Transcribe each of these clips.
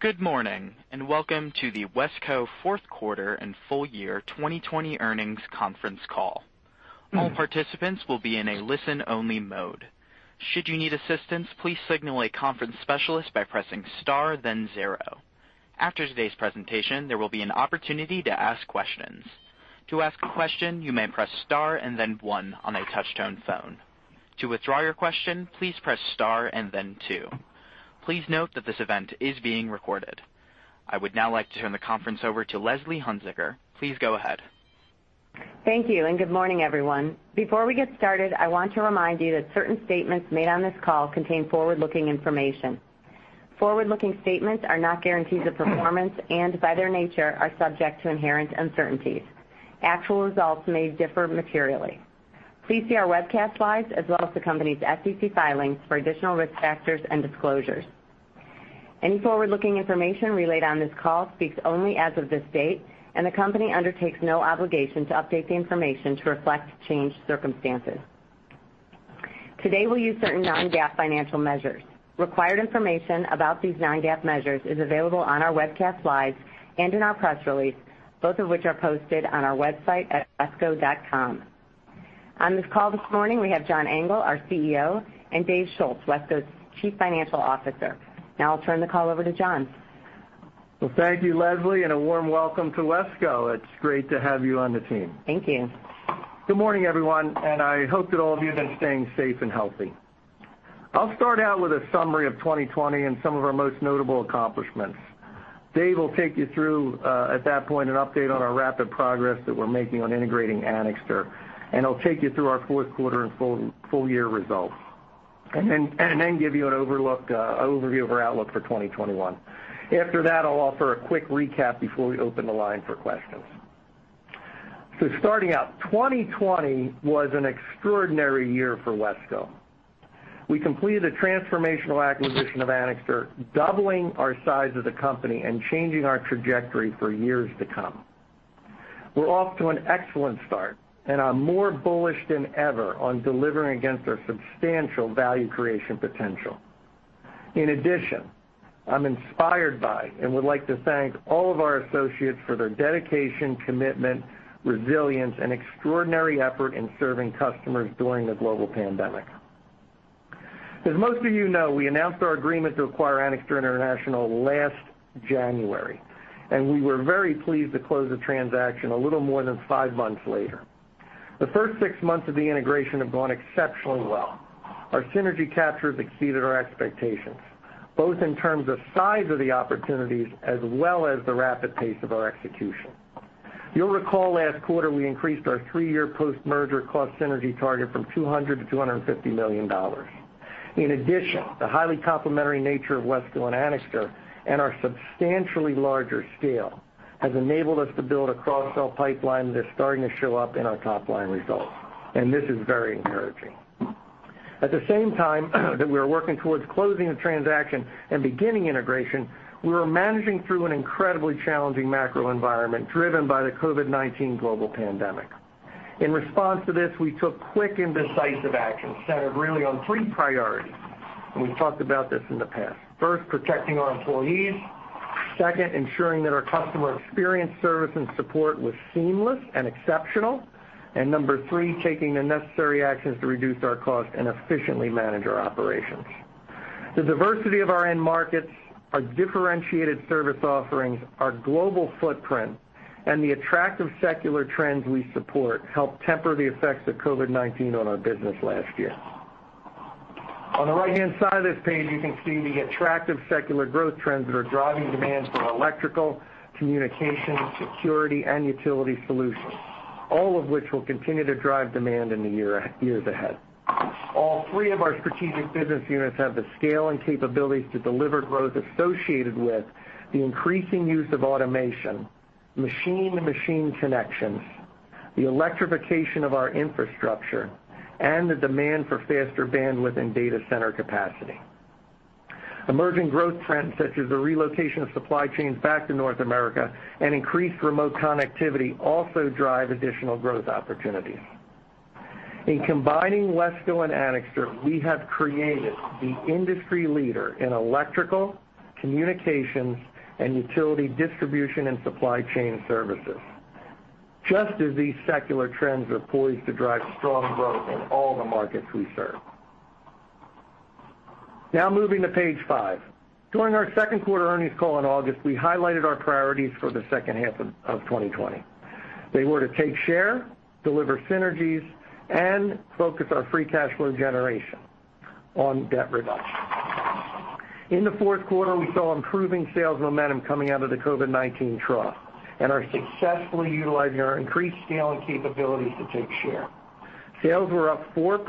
Good morning, and welcome to the WESCO fourth quarter and full year 2020 earnings conference call. All participants will be in a listen-only mode. Should you need assistance, please signal a conference specialist by pressing star then zero. After today's presentation, there will be an opportunity to ask questions. To ask a question, you may press star and then one on a touch-tone phone. To withdraw your question, please press star and then two. Please note that this event is being recorded. I would now like to turn the conference over to Leslie Hunziker. Please go ahead. Thank you, good morning, everyone. Before we get started, I want to remind you that certain statements made on this call contain forward-looking information. Forward-looking statements are not guarantees of performance and, by their nature, are subject to inherent uncertainties. Actual results may differ materially. Please see our webcast slides as well as the company's SEC filings for additional risk factors and disclosures. Any forward-looking information relayed on this call speaks only as of this date, and the company undertakes no obligation to update the information to reflect changed circumstances. Today, we'll use certain non-GAAP financial measures. Required information about these non-GAAP measures is available on our webcast slides and in our press release, both of which are posted on our website at wesco.com. On this call this morning, we have John Engel, our CEO, and Dave Schulz, WESCO's Chief Financial Officer. Now I'll turn the call over to John. Well, thank you, Leslie, and a warm welcome to WESCO. It's great to have you on the team. Thank you. Good morning, everyone, and I hope that all of you have been staying safe and healthy. I'll start out with a summary of 2020 and some of our most notable accomplishments. Dave will take you through, at that point, an update on our rapid progress that we're making on integrating Anixter, and he'll take you through our fourth quarter and full year results, and then give you an overview of our outlook for 2021. After that, I'll offer a quick recap before we open the line for questions. Starting out, 2020 was an extraordinary year for WESCO. We completed the transformational acquisition of Anixter, doubling our size of the company and changing our trajectory for years to come. We're off to an excellent start, and I'm more bullish than ever on delivering against our substantial value creation potential. In addition, I'm inspired by and would like to thank all of our associates for their dedication, commitment, resilience, and extraordinary effort in serving customers during the global pandemic. As most of you know, we announced our agreement to acquire Anixter International last January, and we were very pleased to close the transaction a little more than five months later. The first six months of the integration have gone exceptionally well. Our synergy capture has exceeded our expectations, both in terms of size of the opportunities as well as the rapid pace of our execution. You'll recall last quarter we increased our three-year post-merger cost synergy target from $200 million-$250 million. In addition, the highly complementary nature of WESCO and Anixter and our substantially larger scale has enabled us to build a cross-sell pipeline that's starting to show up in our top-line results, and this is very encouraging. At the same time that we were working towards closing the transaction and beginning integration, we were managing through an incredibly challenging macro environment driven by the COVID-19 global pandemic. In response to this, we took quick and decisive action centered really on three priorities, and we've talked about this in the past. First, protecting our employees. Second, ensuring that our customer experience, service, and support was seamless and exceptional. Number three, taking the necessary actions to reduce our costs and efficiently manage our operations. The diversity of our end markets, our differentiated service offerings, our global footprint, and the attractive secular trends we support helped temper the effects of COVID-19 on our business last year. On the right-hand side of this page, you can see the attractive secular growth trends that are driving demand for electrical, communications, security, and utility solutions, all of which will continue to drive demand in the years ahead. All three of our strategic business units have the scale and capabilities to deliver growth associated with the increasing use of automation, machine-to-machine connections, the electrification of our infrastructure, and the demand for faster bandwidth and data center capacity. Emerging growth trends such as the relocation of supply chains back to North America and increased remote connectivity also drive additional growth opportunities. In combining WESCO and Anixter, we have created the industry leader in electrical, communications, and utility distribution and supply chain services, just as these secular trends are poised to drive strong growth in all the markets we serve. Moving to page five. During our second quarter earnings call in August, we highlighted our priorities for the second half of 2020. They were to take share, deliver synergies, and focus our free cash flow generation on debt reduction. In the fourth quarter, we saw improving sales momentum coming out of the COVID-19 trough and are successfully utilizing our increased scale and capabilities to take share. Sales were up 4%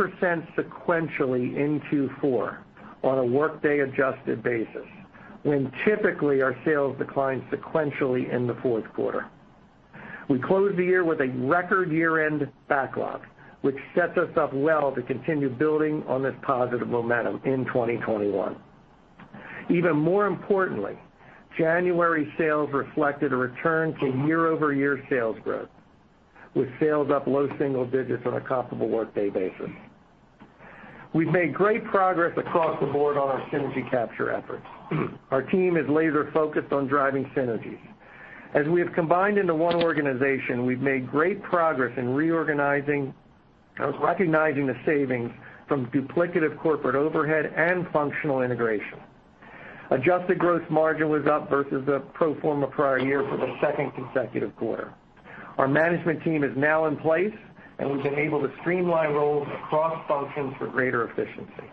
sequentially in Q4 on a workday-adjusted basis, when typically our sales decline sequentially in the fourth quarter. We closed the year with a record year-end backlog, which sets us up well to continue building on this positive momentum in 2021. Even more importantly, January sales reflected a return to year-over-year sales growth, with sales up low single digits on a comparable workday basis. We've made great progress across the board on our synergy capture efforts. Our team is laser-focused on driving synergies. As we have combined into one organization, we've made great progress in recognizing the savings from duplicative corporate overhead and functional integration. Adjusted gross margin was up versus the pro forma prior year for the second consecutive quarter. Our management team is now in place, and we've been able to streamline roles across functions for greater efficiency.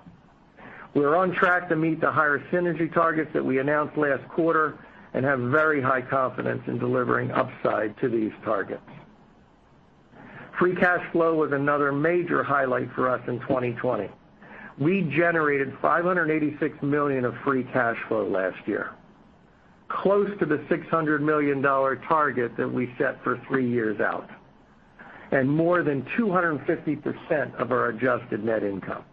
We are on track to meet the higher synergy targets that we announced last quarter and have very high confidence in delivering upside to these targets. Free cash flow was another major highlight for us in 2020. We generated $586 million of free cash flow last year, close to the $600 million target that we set for three years out, and more than 250% of our adjusted net income.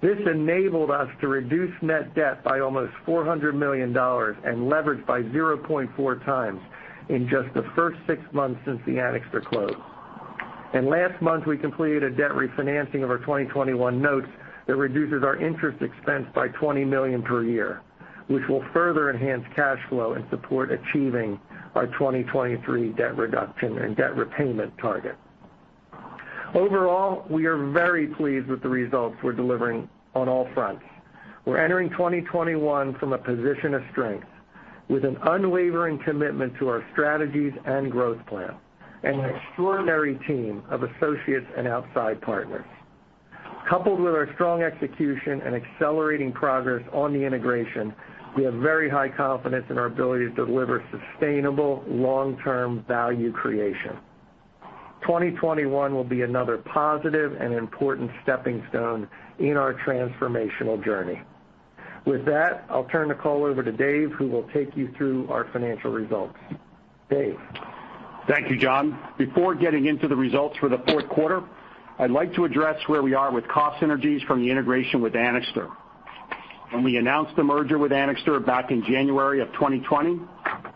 This enabled us to reduce net debt by almost $400 million and leverage by 0.4 times in just the first six months since the Anixter close. Last month, we completed a debt refinancing of our 2021 notes that reduces our interest expense by $20 million per year, which will further enhance cash flow and support achieving our 2023 debt reduction and debt repayment target. Overall, we are very pleased with the results we're delivering on all fronts. We're entering 2021 from a position of strength with an unwavering commitment to our strategies and growth plan and an extraordinary team of associates and outside partners. Coupled with our strong execution and accelerating progress on the integration, we have very high confidence in our ability to deliver sustainable long-term value creation. 2021 will be another positive and important stepping stone in our transformational journey. With that, I'll turn the call over to Dave, who will take you through our financial results. Dave? Thank you, John. Before getting into the results for the fourth quarter, I'd like to address where we are with cost synergies from the integration with Anixter. When we announced the merger with Anixter back in January of 2020,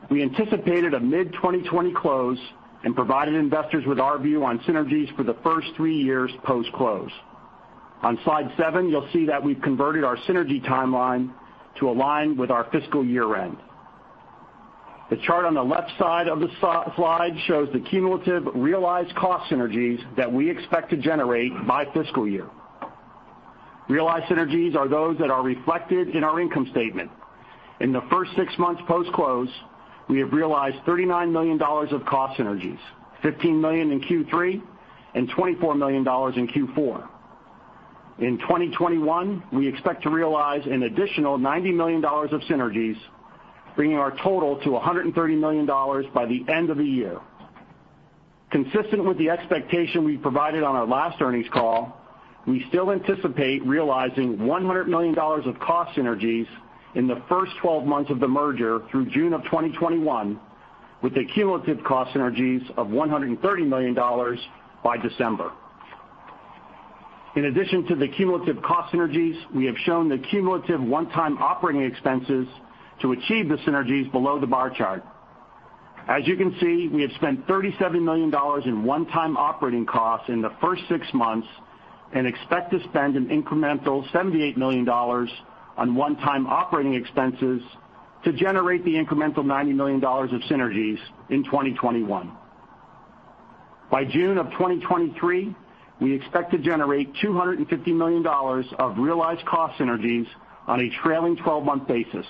we anticipated a mid-2020 close and provided investors with our view on synergies for the first three years post-close. On slide seven, you'll see that we've converted our synergy timeline to align with our fiscal year-end. The chart on the left side of the slide shows the cumulative realized cost synergies that we expect to generate by fiscal year. Realized synergies are those that are reflected in our income statement. In the first six months post-close, we have realized $39 million of cost synergies, $15 million in Q3, and $24 million in Q4. In 2021, we expect to realize an additional $90 million of synergies, bringing our total to $130 million by the end of the year. Consistent with the expectation we provided on our last earnings call, we still anticipate realizing $100 million of cost synergies in the first 12 months of the merger through June of 2021, with the cumulative cost synergies of $130 million by December. In addition to the cumulative cost synergies, we have shown the cumulative one-time operating expenses to achieve the synergies below the bar chart. As you can see, we have spent $37 million in one-time operating costs in the first six months and expect to spend an incremental $78 million on one-time operating expenses to generate the incremental $90 million of synergies in 2021. By June of 2023, we expect to generate $250 million of realized cost synergies on a trailing 12-month basis.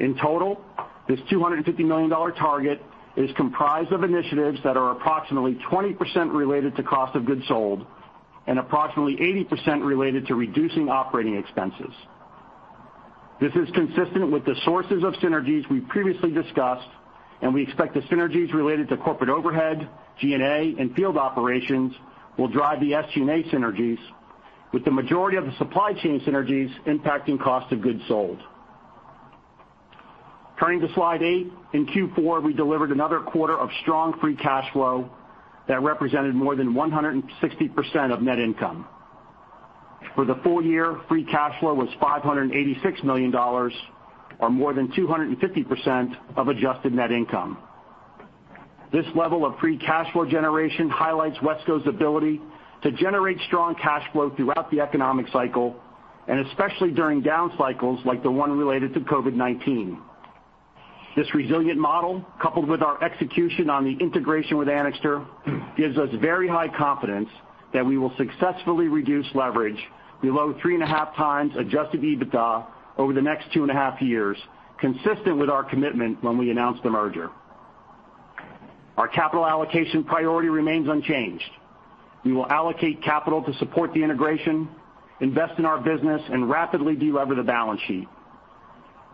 In total, this $250 million target is comprised of initiatives that are approximately 20% related to cost of goods sold and approximately 80% related to reducing operating expenses. This is consistent with the sources of synergies we previously discussed. We expect the synergies related to corporate overhead, G&A, and field operations will drive the SG&A synergies with the majority of the supply chain synergies impacting cost of goods sold. Turning to slide eight. In Q4, we delivered another quarter of strong free cash flow that represented more than 160% of net income. For the full year, free cash flow was $586 million or more than 250% of adjusted net income. This level of free cash flow generation highlights WESCO's ability to generate strong cash flow throughout the economic cycle, and especially during down cycles like the one related to COVID-19. This resilient model, coupled with our execution on the integration with Anixter, gives us very high confidence that we will successfully reduce leverage below three and a half times adjusted EBITDA over the next two and a half years, consistent with our commitment when we announced the merger. Our capital allocation priority remains unchanged. We will allocate capital to support the integration, invest in our business, and rapidly de-lever the balance sheet.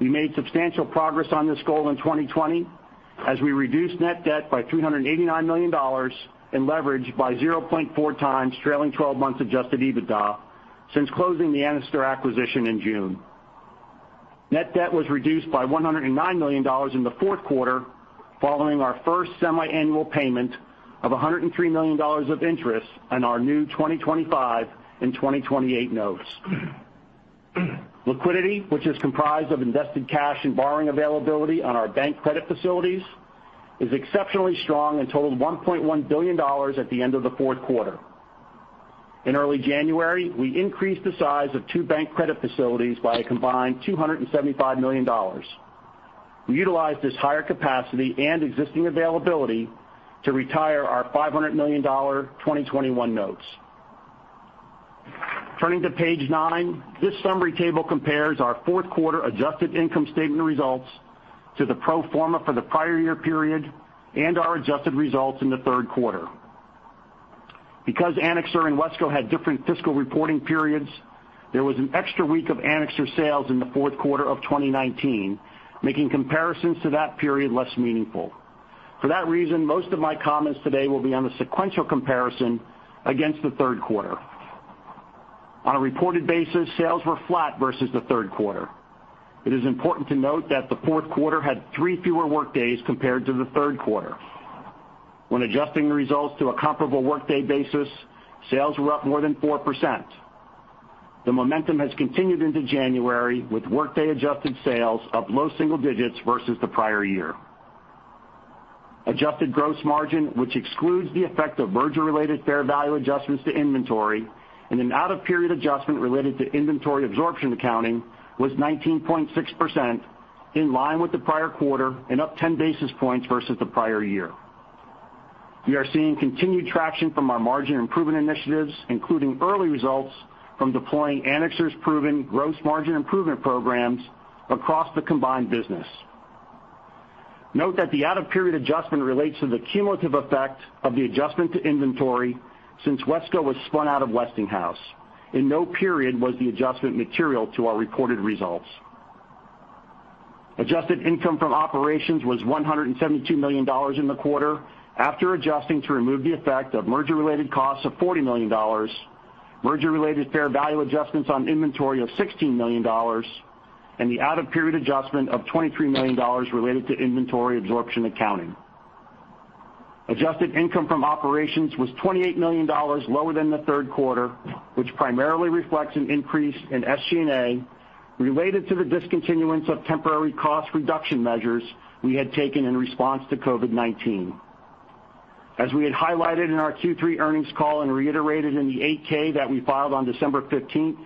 We made substantial progress on this goal in 2020 as we reduced net debt by $389 million and leverage by 0.4 times trailing 12 months adjusted EBITDA since closing the Anixter acquisition in June. Net debt was reduced by $109 million in the fourth quarter, following our first semi-annual payment of $103 million of interest on our new 2025 and 2028 notes. Liquidity, which is comprised of invested cash and borrowing availability on our bank credit facilities, is exceptionally strong and totaled $1.1 billion at the end of the fourth quarter. In early January, we increased the size of two bank credit facilities by a combined $275 million. We utilized this higher capacity and existing availability to retire our $500 million 2021 notes. Turning to page nine, this summary table compares our fourth quarter adjusted income statement results to the pro forma for the prior year period and our adjusted results in the third quarter. Anixter and WESCO had different fiscal reporting periods, there was an extra week of Anixter sales in the fourth quarter of 2019, making comparisons to that period less meaningful. For that reason, most of my comments today will be on the sequential comparison against the third quarter. On a reported basis, sales were flat versus the third quarter. It is important to note that the fourth quarter had three fewer workdays compared to the third quarter. When adjusting the results to a comparable workday basis, sales were up more than 4%. The momentum has continued into January with workday-adjusted sales up low single digits versus the prior year. Adjusted gross margin, which excludes the effect of merger-related fair value adjustments to inventory and an out-of-period adjustment related to inventory absorption accounting, was 19.6%, in line with the prior quarter and up 10 basis points versus the prior year. We are seeing continued traction from our margin improvement initiatives, including early results from deploying Anixter's proven gross margin improvement programs across the combined business. Note that the out-of-period adjustment relates to the cumulative effect of the adjustment to inventory since WESCO was spun out of Westinghouse. In no period was the adjustment material to our reported results. Adjusted income from operations was $172 million in the quarter after adjusting to remove the effect of merger-related costs of $40 million, merger-related fair value adjustments on inventory of $16 million, and the out-of-period adjustment of $23 million related to inventory absorption accounting. Adjusted income from operations was $28 million lower than the third quarter, which primarily reflects an increase in SG&A related to the discontinuance of temporary cost reduction measures we had taken in response to COVID-19. As we had highlighted in our Q3 earnings call and reiterated in the 8-K that we filed on December 15th,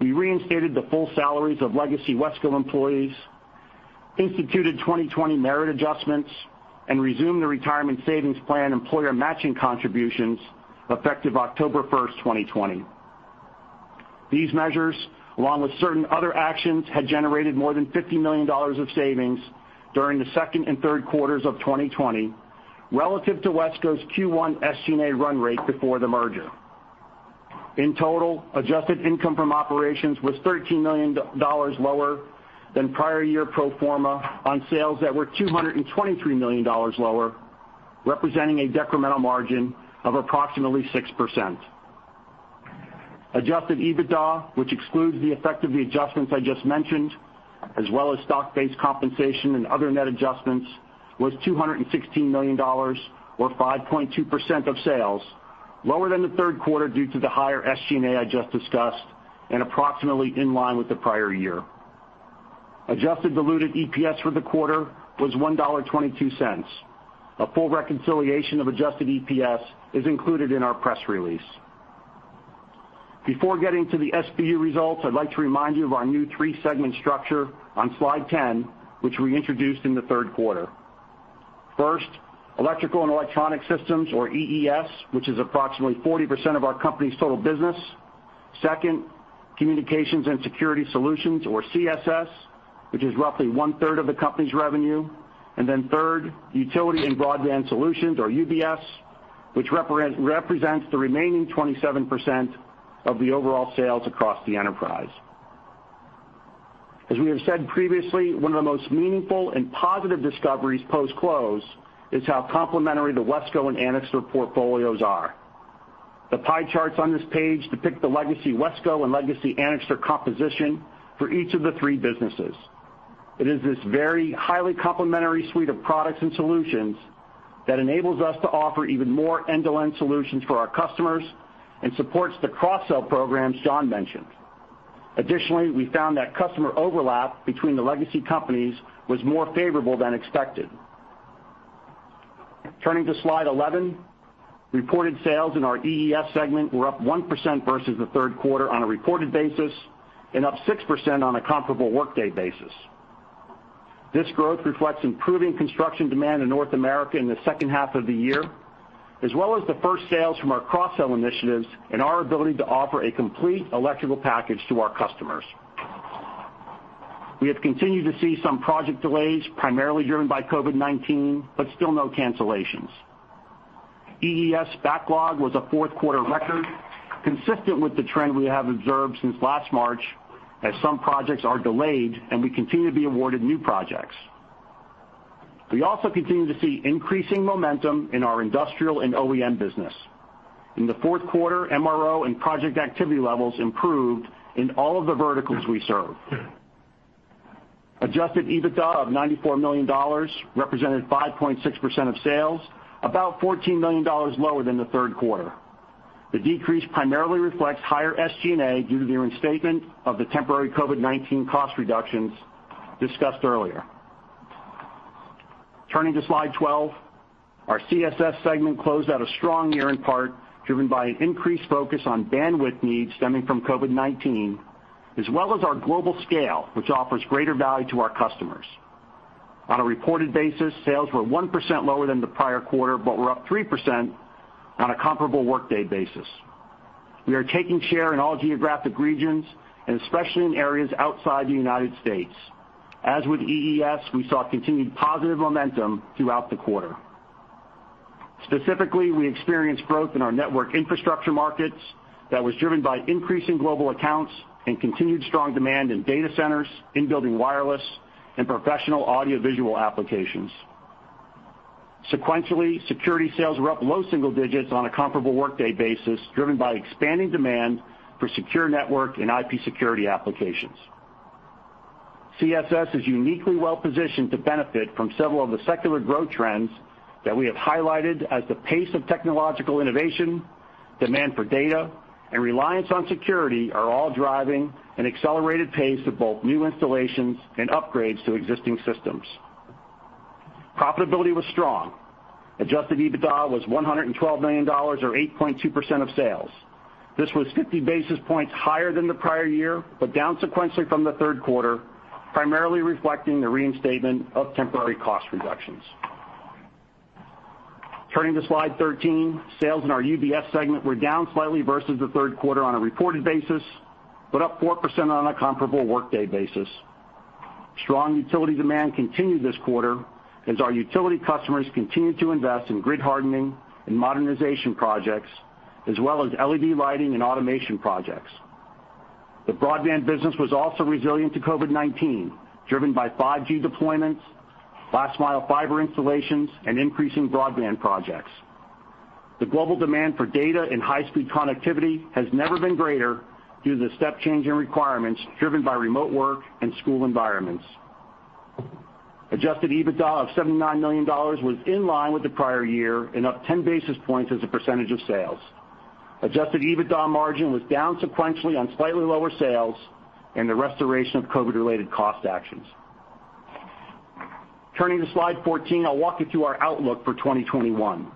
we reinstated the full salaries of legacy WESCO employees, instituted 2020 merit adjustments, and resumed the retirement savings plan employer matching contributions effective October 1st, 2020. These measures, along with certain other actions, had generated more than $50 million of savings during the second and third quarters of 2020 relative to WESCO's Q1 SG&A run rate before the merger. In total, adjusted income from operations was $13 million lower than prior year pro forma on sales that were $223 million lower, representing a decremental margin of approximately 6%. Adjusted EBITDA, which excludes the effect of the adjustments I just mentioned, as well as stock-based compensation and other net adjustments, was $216 million, or 5.2% of sales, lower than the third quarter due to the higher SG&A I just discussed and approximately in line with the prior year. Adjusted diluted EPS for the quarter was $1.22. A full reconciliation of adjusted EPS is included in our press release. Before getting to the SBU results, I'd like to remind you of our new three-segment structure on slide 10, which we introduced in the third quarter. First, Electrical & Electronic Solutions, or EES, which is approximately 40% of our company's total business. Second, Communications & Security Solutions, or CSS, which is roughly one-third of the company's revenue. Third, Utility and Broadband Solutions, or UBS, which represents the remaining 27% of the overall sales across the enterprise. As we have said previously, one of the most meaningful and positive discoveries post-close is how complementary the WESCO and Anixter portfolios are. The pie charts on this page depict the legacy WESCO and legacy Anixter composition for each of the three businesses. It is this very highly complementary suite of products and solutions that enables us to offer even more end-to-end solutions for our customers and supports the cross-sell programs John mentioned. Additionally, we found that customer overlap between the legacy companies was more favorable than expected. Turning to slide 11, reported sales in our EES segment were up 1% versus the third quarter on a reported basis and up 6% on a comparable workday basis. This growth reflects improving construction demand in North America in the second half of the year, as well as the first sales from our cross-sell initiatives and our ability to offer a complete electrical package to our customers. We have continued to see some project delays, primarily driven by COVID-19, but still no cancellations. EES backlog was a fourth-quarter record, consistent with the trend we have observed since last March, as some projects are delayed and we continue to be awarded new projects. We also continue to see increasing momentum in our industrial and OEM business. In the fourth quarter, MRO and project activity levels improved in all of the verticals we serve. Adjusted EBITDA of $94 million represented 5.6% of sales, about $14 million lower than the third quarter. The decrease primarily reflects higher SG&A due to the reinstatement of the temporary COVID-19 cost reductions discussed earlier. Turning to slide 12, our CSS segment closed out a strong year in part driven by an increased focus on bandwidth needs stemming from COVID-19, as well as our global scale, which offers greater value to our customers. On a reported basis, sales were 1% lower than the prior quarter, but were up 3% on a comparable workday basis. We are taking share in all geographic regions and especially in areas outside the United States. As with EES, we saw continued positive momentum throughout the quarter. Specifically, we experienced growth in our network infrastructure markets that was driven by increasing global accounts and continued strong demand in data centers, in-building wireless, and professional audiovisual applications. Sequentially, security sales were up low single digits on a comparable workday basis, driven by expanding demand for secure network and IP security applications. CSS is uniquely well-positioned to benefit from several of the secular growth trends that we have highlighted as the pace of technological innovation, demand for data, and reliance on security are all driving an accelerated pace of both new installations and upgrades to existing systems. Profitability was strong. Adjusted EBITDA was $112 million, or 8.2% of sales. This was 50 basis points higher than the prior year, but down sequentially from the third quarter, primarily reflecting the reinstatement of temporary cost reductions. Turning to slide 13, sales in our UBS segment were down slightly versus the third quarter on a reported basis, but up 4% on a comparable workday basis. Strong utility demand continued this quarter as our utility customers continued to invest in grid hardening and modernization projects, as well as LED lighting and automation projects. The broadband business was also resilient to COVID-19, driven by 5G deployments, last mile fiber installations, and increasing broadband projects. The global demand for data and high-speed connectivity has never been greater due to the step change in requirements driven by remote work and school environments. Adjusted EBITDA of $79 million was in line with the prior year and up 10 basis points as a percentage of sales. Adjusted EBITDA margin was down sequentially on slightly lower sales and the restoration of COVID-related cost actions. Turning to slide 14, I'll walk you through our outlook for 2021.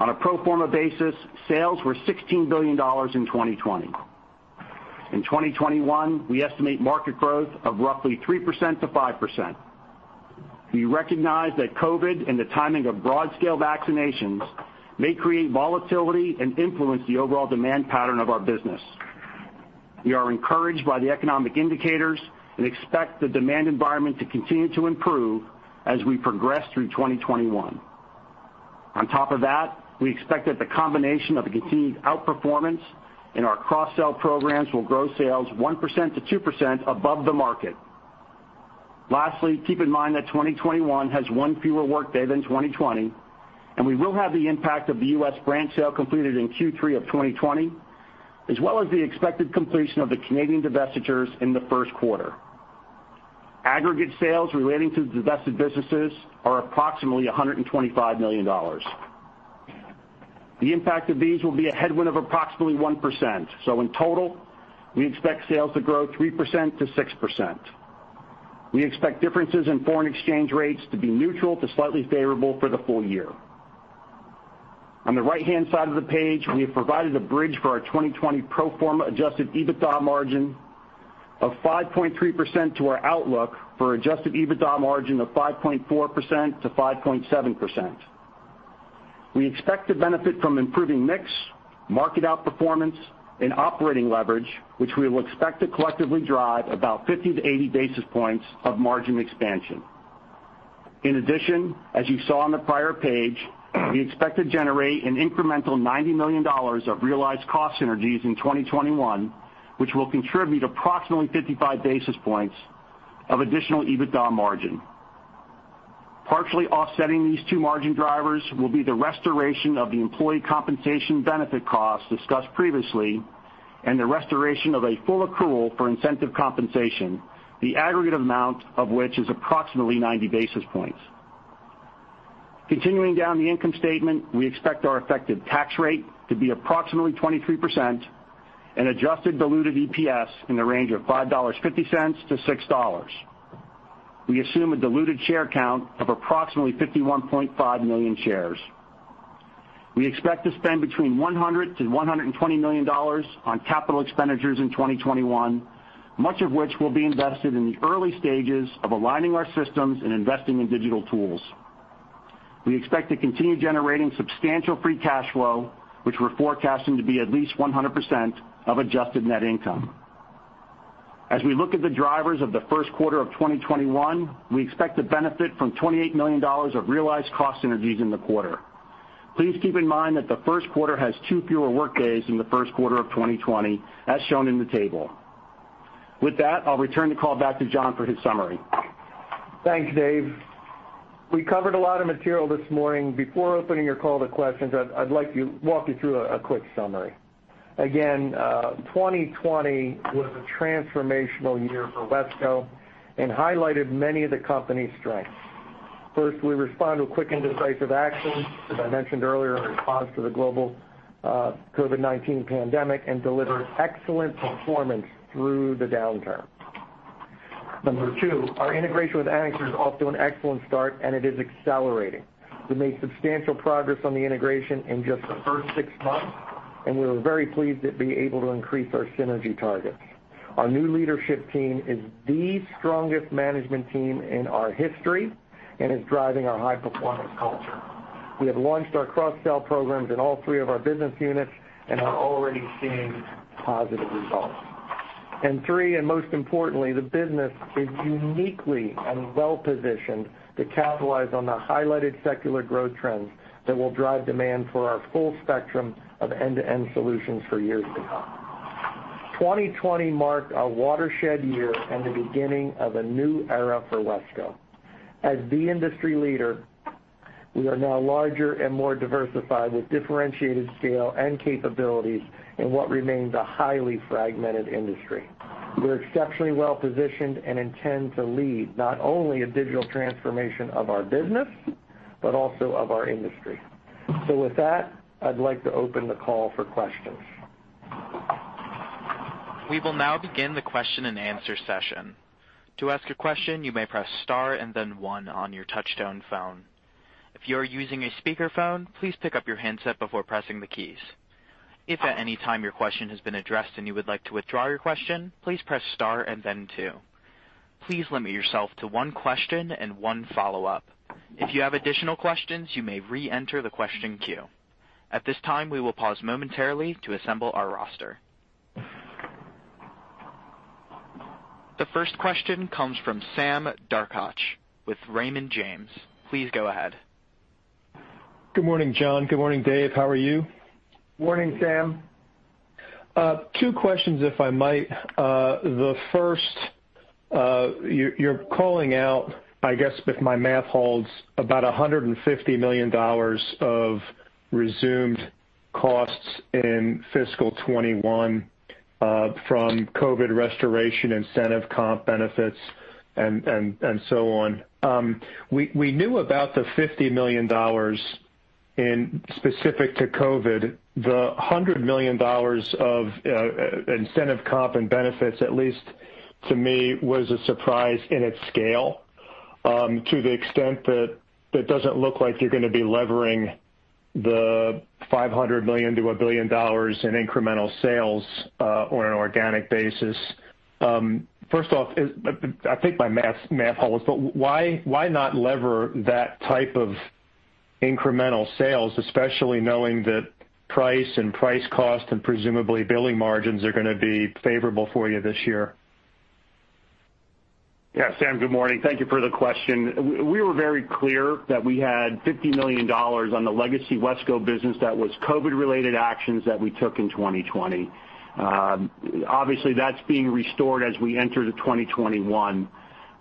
On a pro forma basis, sales were $16 billion in 2020. In 2021, we estimate market growth of roughly 3%-5%. We recognize that COVID and the timing of broad-scale vaccinations may create volatility and influence the overall demand pattern of our business. We are encouraged by the economic indicators and expect the demand environment to continue to improve as we progress through 2021. On top of that, we expect that the combination of a continued outperformance in our cross-sell programs will grow sales 1%-2% above the market. Lastly, keep in mind that 2021 has one fewer workday than 2020, and we will have the impact of the U.S. brand sale completed in Q3 of 2020, as well as the expected completion of the Canadian divestitures in the first quarter. Aggregate sales relating to the divested businesses are approximately $125 million. The impact of these will be a headwind of approximately 1%. In total, we expect sales to grow 3%-6%. We expect differences in foreign exchange rates to be neutral to slightly favorable for the full year. On the right-hand side of the page, we have provided a bridge for our 2020 pro forma adjusted EBITDA margin of 5.3% to our outlook for adjusted EBITDA margin of 5.4%-5.7%. We expect to benefit from improving mix, market outperformance, and operating leverage, which we will expect to collectively drive about 50-80 basis points of margin expansion. In addition, as you saw on the prior page, we expect to generate an incremental $90 million of realized cost synergies in 2021, which will contribute approximately 55 basis points of additional EBITDA margin. Partially offsetting these two margin drivers will be the restoration of the employee compensation benefit costs discussed previously and the restoration of a full accrual for incentive compensation, the aggregate amount of which is approximately 90 basis points. Continuing down the income statement, we expect our effective tax rate to be approximately 23% and adjusted diluted EPS in the range of $5.50-$6. We assume a diluted share count of approximately 51.5 million shares. We expect to spend between $100 million-$120 million on capital expenditures in 2021, much of which will be invested in the early stages of aligning our systems and investing in digital tools. We expect to continue generating substantial free cash flow, which we're forecasting to be at least 100% of adjusted net income. As we look at the drivers of the first quarter of 2021, we expect to benefit from $28 million of realized cost synergies in the quarter. Please keep in mind that the first quarter has two fewer workdays than the first quarter of 2020, as shown in the table. With that, I'll return the call back to John for his summary. Thanks, Dave. We covered a lot of material this morning. Before opening your call to questions, I'd like to walk you through a quick summary. Again, 2020 was a transformational year for WESCO and highlighted many of the company's strengths. First, we respond with quick and decisive action, as I mentioned earlier, in response to the global COVID-19 pandemic and delivered excellent performance through the downturn. Number two, our integration with Anixter is off to an excellent start, and it is accelerating. We made substantial progress on the integration in just the first six months, and we were very pleased at being able to increase our synergy targets. Our new leadership team is the strongest management team in our history and is driving our high-performance culture. We have launched our cross-sell programs in all three of our business units and are already seeing positive results. Three, and most importantly, the business is uniquely and well-positioned to capitalize on the highlighted secular growth trends that will drive demand for our full spectrum of end-to-end solutions for years to come. 2020 marked a watershed year and the beginning of a new era for WESCO. As the industry leader, we are now larger and more diversified with differentiated scale and capabilities in what remains a highly fragmented industry. We're exceptionally well-positioned and intend to lead not only a digital transformation of our business but also of our industry. With that, I'd like to open the call for questions. We will now begin the question and answer session. To ask a question, you may press star and then one on your touchtone phone. If you are using a speakerphone, please pick up your handset before pressing the keys. If at any time your question has been addressed and you would like to withdraw your question, please press star and then two. Please limit yourself to one question and one follow-up. If you have additional questions, you may reenter the question queue. At this time, we will pause momentarily to assemble our roster. The first question comes from Sam Darkatsh with Raymond James. Please go ahead. Good morning, John. Good morning, Dave. How are you? Morning, Sam. Two questions, if I might. The first, you're calling out, I guess if my math holds, about $150 million of resumed costs in fiscal 2021 from COVID restoration incentive comp benefits and so on. We knew about the $50 million specific to COVID. The $100 million of incentive comp and benefits, at least to me, was a surprise in its scale to the extent that it doesn't look like you're going to be levering the $500 million-$1 billion in incremental sales on an organic basis. First off, I think my math holds, why not lever that type of incremental sales, especially knowing that price and price cost and presumably billing margins are going to be favorable for you this year? Yeah. Sam, good morning. Thank you for the question. We were very clear that we had $50 million on the legacy WESCO business that was COVID-related actions that we took in 2020. Obviously, that's being restored as we enter to 2021.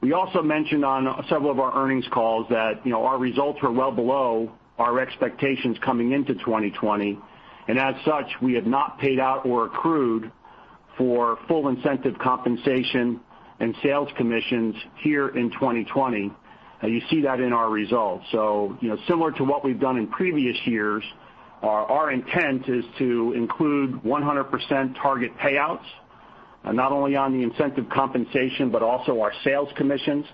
We also mentioned on several of our earnings calls that our results were well below our expectations coming into 2020. As such, we have not paid out or accrued for full incentive compensation and sales commissions here in 2020. You see that in our results. Similar to what we've done in previous years, our intent is to include 100% target payouts not only on the incentive compensation but also our sales commissions.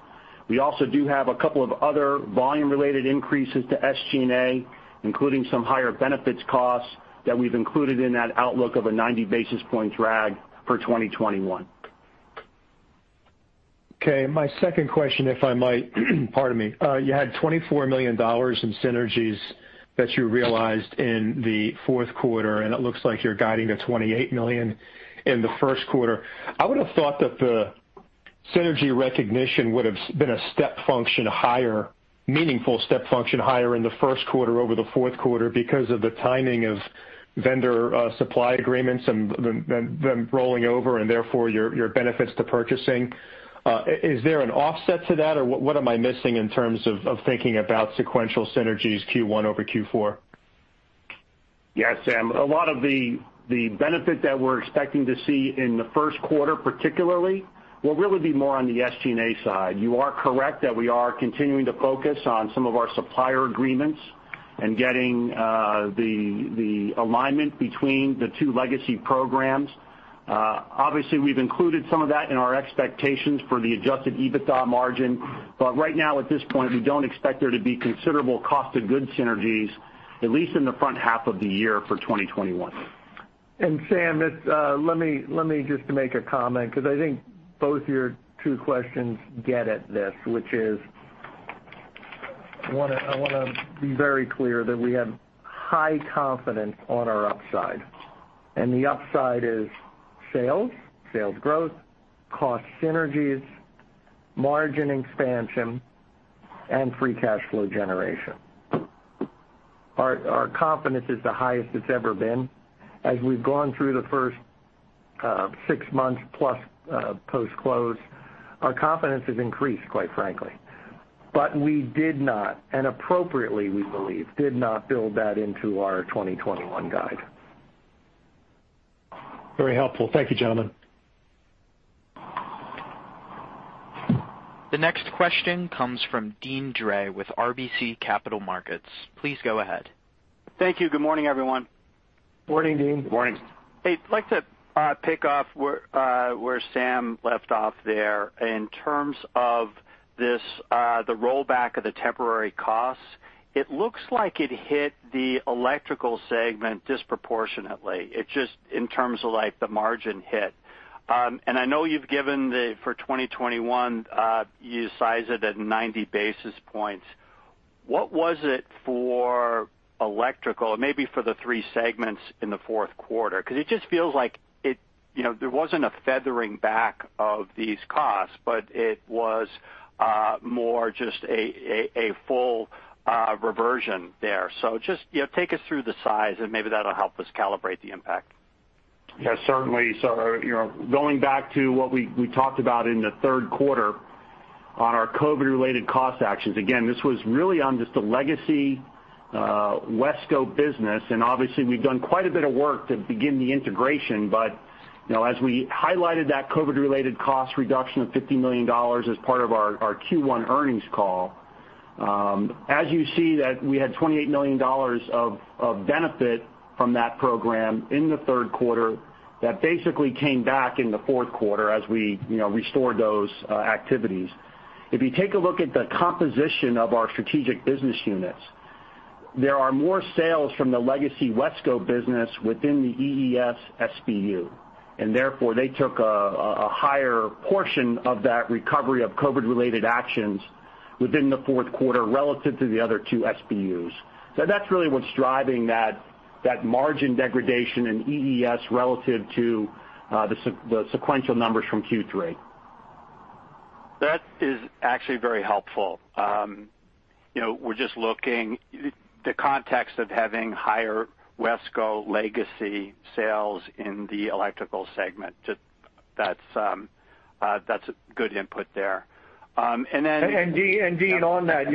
We also do have a couple of other volume-related increases to SG&A, including some higher benefits costs that we've included in that outlook of a 90 basis point drag for 2021. Okay. My second question, if I might, pardon me. You had $24 million in synergies that you realized in the fourth quarter, and it looks like you're guiding to $28 million in the first quarter. I would've thought that the synergy recognition would've been a step function higher, meaningful step function higher in the first quarter over the fourth quarter because of the timing of vendor supply agreements and them rolling over, and therefore, your benefits to purchasing. Is there an offset to that, or what am I missing in terms of thinking about sequential synergies Q1 over Q4? Yeah, Sam. A lot of the benefit that we're expecting to see in the first quarter, particularly, will really be more on the SG&A side. You are correct that we are continuing to focus on some of our supplier agreements and getting the alignment between the two legacy programs. Obviously, we've included some of that in our expectations for the adjusted EBITDA margin. Right now, at this point, we don't expect there to be considerable cost of goods synergies, at least in the front half of the year for 2021. Sam, let me just make a comment because I think both your two questions get at this, which is I want to be very clear that we have high confidence on our upside, and the upside is sales growth, cost synergies, margin expansion, and free cash flow generation. Our confidence is the highest it's ever been. As we've gone through the first six months plus post-close, our confidence has increased, quite frankly. We did not, and appropriately we believe, did not build that into our 2021 guide. Very helpful. Thank you, gentlemen. The next question comes from Deane Dray with RBC Capital Markets. Please go ahead. Thank you. Good morning, everyone. Morning, Deane. Morning. Hey, I'd like to pick up where Sam left off there. In terms of the rollback of the temporary costs, it looks like it hit the electrical segment disproportionately, just in terms of the margin hit. I know you've given for 2021, you size it at 90 basis points. What was it for electrical, maybe for the three segments in the fourth quarter? It just feels like there wasn't a feathering back of these costs, but it was more just a full reversion there. Just take us through the size, and maybe that'll help us calibrate the impact. Yeah, certainly. Going back to what we talked about in the third quarter on our COVID-related cost actions, again, this was really on just the legacy WESCO business, and obviously, we've done quite a bit of work to begin the integration. As we highlighted that COVID-related cost reduction of $50 million as part of our Q1 earnings call, as you see that we had $28 million of benefit from that program in the third quarter, that basically came back in the fourth quarter as we restored those activities. If you take a look at the composition of our strategic business units, there are more sales from the legacy WESCO business within the EES SBU, and therefore, they took a higher portion of that recovery of COVID-related actions within the fourth quarter relative to the other two SBUs. That's really what's driving that margin degradation in EES relative to the sequential numbers from Q3. That is actually very helpful. We're just looking the context of having higher WESCO legacy sales in the electrical segment. That's a good input there. Deane, on that,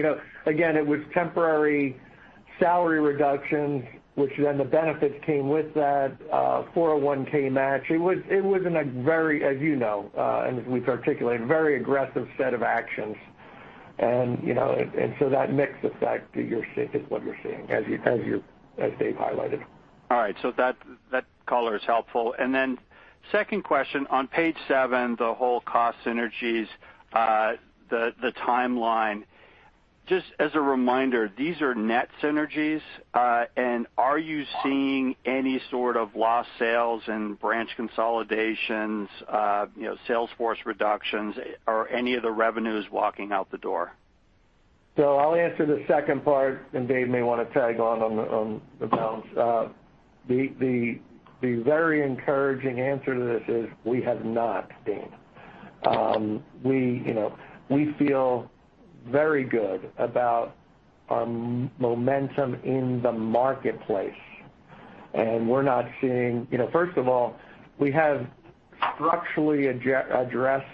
again, it was temporary salary reductions, which then the benefits came with that 401(k) match. It was in a very, as you know, and as we've articulated, very aggressive set of actions. That mix effect is what you're seeing, as Dave highlighted. All right. That color is helpful. Then second question, on page seven, the whole cost synergies, the timeline. Just as a reminder, these are net synergies. Are you seeing any sort of lost sales and branch consolidations, sales force reductions, or any of the revenues walking out the door? I'll answer the second part, and Dave may want to tag on the bounds. The very encouraging answer to this is we have not, Deane. We feel very good about our momentum in the marketplace. First of all, we have structurally addressed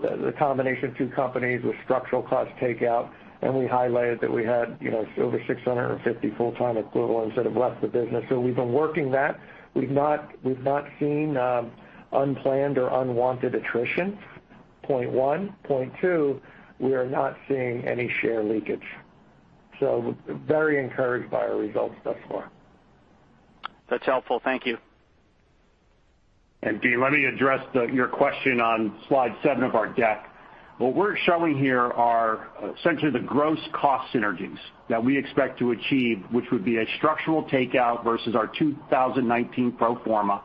the combination of two companies with structural cost takeout, and we highlighted that we had over 650 full-time equivalents that have left the business. We've been working that. We've not seen unplanned or unwanted attrition, point one. Point two, we are not seeing any share leakage. Very encouraged by our results thus far. That's helpful. Thank you. Deane, let me address your question on slide seven of our deck. What we're showing here are essentially the gross cost synergies that we expect to achieve, which would be a structural takeout versus our 2019 pro forma.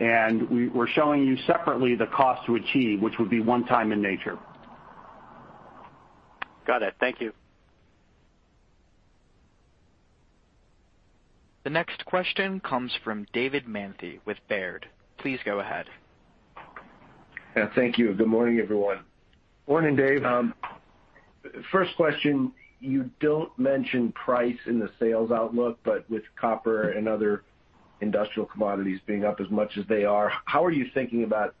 We're showing you separately the cost to achieve, which would be one time in nature. Got it. Thank you. The next question comes from David Manthey with Baird. Please go ahead. Yeah, thank you. Good morning, everyone. Morning, Dave. First question, you don't mention price in the sales outlook, but with copper and other industrial commodities being up as much as they are, how are you thinking about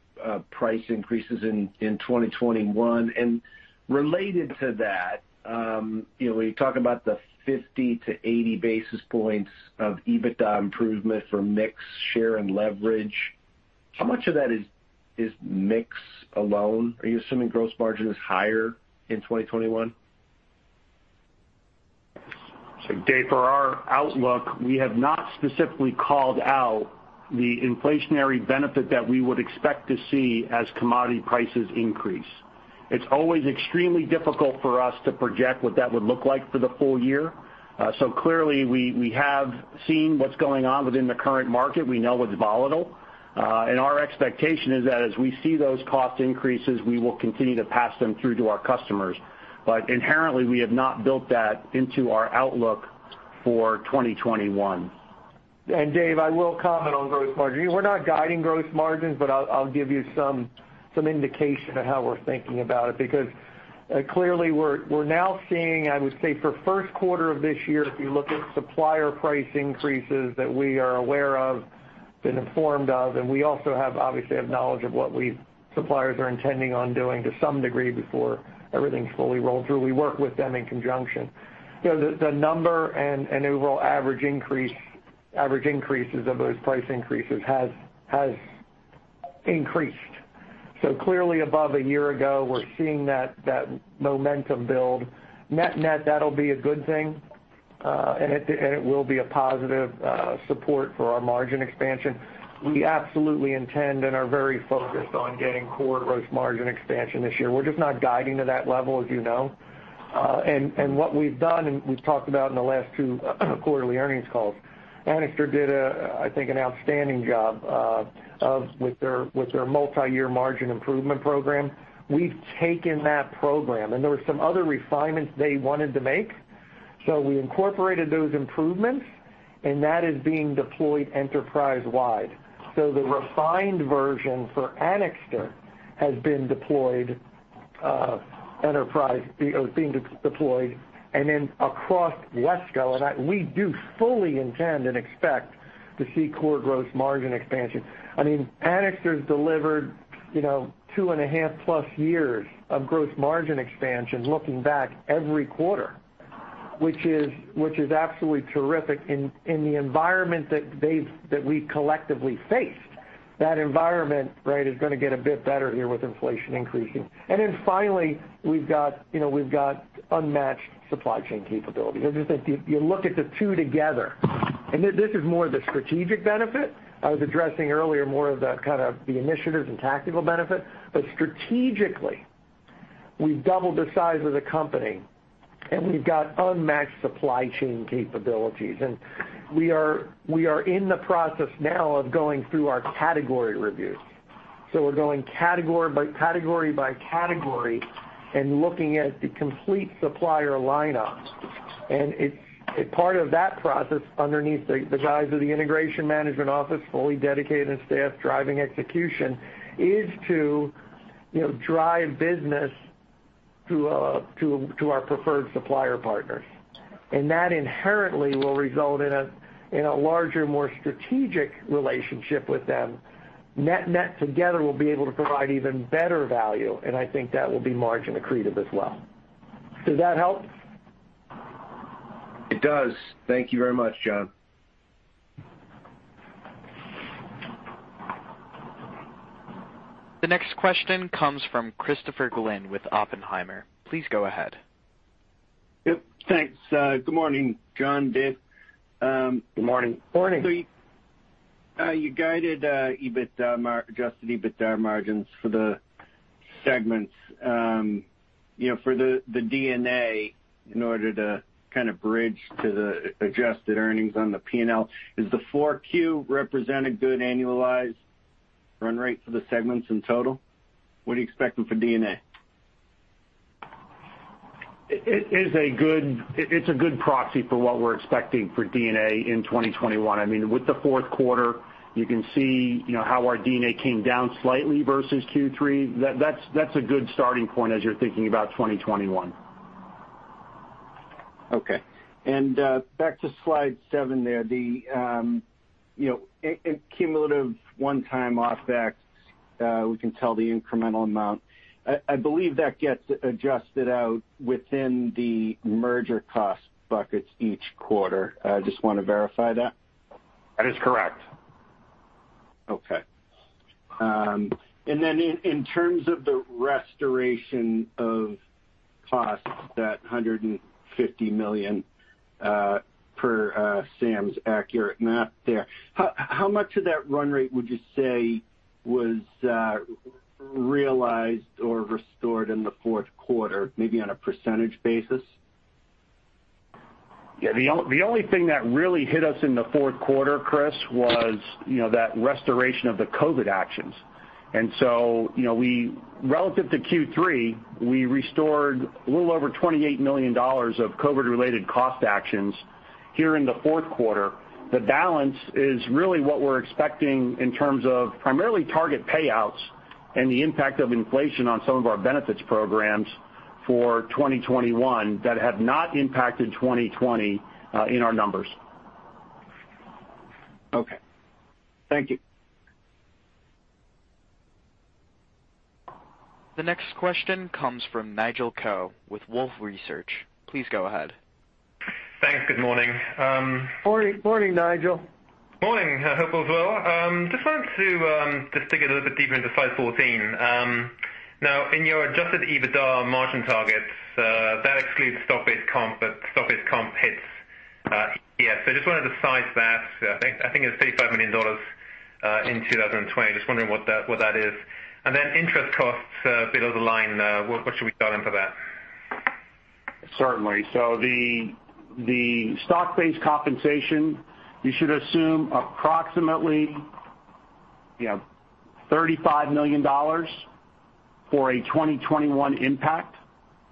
price increases in 2021? Related to that, when you talk about the 50 to 80 basis points of EBITDA improvement from mix, share, and leverage, how much of that is mix alone? Are you assuming gross margin is higher in 2021? Dave, for our outlook, we have not specifically called out the inflationary benefit that we would expect to see as commodity prices increase. It's always extremely difficult for us to project what that would look like for the full year. Clearly, we have seen what's going on within the current market. We know it's volatile. And our expectation is that as we see those cost increases, we will continue to pass them through to our customers. Inherently, we have not built that into our outlook for 2021. Dave, I will comment on gross margin. We're not guiding gross margins, but I'll give you some indication of how we're thinking about it. Clearly we're now seeing, I would say, for first quarter of this year, if you look at supplier price increases that we are aware of, been informed of, and we also obviously have knowledge of what suppliers are intending on doing to some degree before everything's fully rolled through. We work with them in conjunction. The number and overall average increases of those price increases has increased. Clearly above a year ago, we're seeing that momentum build. Net-net, that'll be a good thing, and it will be a positive support for our margin expansion. We absolutely intend and are very focused on getting core gross margin expansion this year. We're just not guiding to that level, as you know. What we've done, and we've talked about in the last two quarterly earnings calls, Anixter did, I think, an outstanding job with their multi-year margin improvement program. We've taken that program, and there were some other refinements they wanted to make. We incorporated those improvements, and that is being deployed enterprise-wide. The refined version for Anixter has been deployed or is being deployed and then across WESCO. We do fully intend and expect to see core gross margin expansion. Anixter's delivered two and a half plus years of gross margin expansion, looking back every quarter, which is absolutely terrific in the environment that we collectively faced. That environment is going to get a bit better here with inflation increasing. Finally, we've got unmatched supply chain capability. If you look at the two together, and this is more the strategic benefit. I was addressing earlier more of the kind of the initiatives and tactical benefit. Strategically, we've doubled the size of the company, and we've got unmatched supply chain capabilities. We are in the process now of going through our category reviews. We're going category by category by category and looking at the complete supplier lineup. Part of that process underneath the guise of the Integration Management Office, fully dedicated and staffed, driving execution, is to drive business to our preferred supplier partners. That inherently will result in a larger, more strategic relationship with them. Net-net together, we'll be able to provide even better value, and I think that will be margin accretive as well. Does that help? It does. Thank you very much, John. The next question comes from Christopher Glynn with Oppenheimer. Please go ahead. Yep, thanks. Good morning, John, Dave. Good morning. Morning. You guided adjusted EBITDA margins for the segments. For the D&A, in order to kind of bridge to the adjusted earnings on the P&L, does the 4Q represent a good annualized run rate for the segments in total? What are you expecting for D&A? It's a good proxy for what we're expecting for D&A in 2021. With the fourth quarter, you can see how our D&A came down slightly versus Q3. That's a good starting point as you're thinking about 2021. Okay. Back to slide seven there, the cumulative one-time off effects, we can tell the incremental amount. I believe that gets adjusted out within the merger cost buckets each quarter. I just want to verify that. That is correct. Okay. In terms of the restoration of costs, that $150 million per Sam's accurate math there, how much of that run rate would you say was realized or restored in the fourth quarter, maybe on a percentage basis? Yeah, the only thing that really hit us in the fourth quarter, Chris, was that restoration of the COVID actions. Relative to Q3, we restored a little over $28 million of COVID-related cost actions here in the fourth quarter. The balance is really what we're expecting in terms of primarily target payouts and the impact of inflation on some of our benefits programs for 2021 that have not impacted 2020 in our numbers. Okay. Thank you. The next question comes from Nigel Coe with Wolfe Research. Please go ahead. Thanks. Good morning. Morning, Nigel. Morning. Hope all is well. Just wanted to dig a little bit deeper into slide 14. In your adjusted EBITDA margin targets, that excludes stock-based comp hits. Just wanted to size that. I think it's $35 million in 2020. Just wondering what that is. Interest costs below the line, what should we dial in for that? Certainly. The stock-based compensation, you should assume approximately $35 million for a 2021 impact.